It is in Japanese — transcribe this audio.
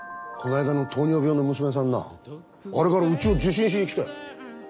この間の糖尿病の娘さんなあれからうちを受診しに来たよ。